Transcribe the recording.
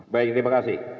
baik terima kasih